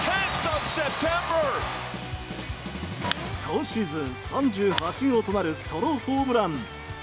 今シーズン３８号となるソロホームラン。